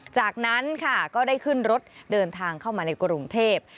จากนั้นค่ะก็ได้ขึ้นรถเดินทางเข้ามาในกรุงเทพ